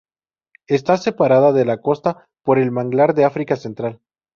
Está separada de la costa por el manglar de África central.